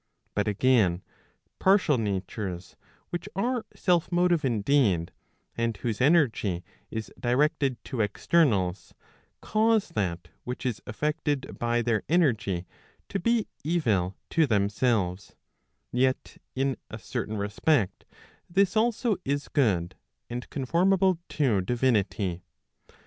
But again, partial natures which are self motive indeed, and whose energy is directed to externals cause that which is effected by their energy to be evil to themselves, yet in a certain respect this also is good, and conformable to divinity.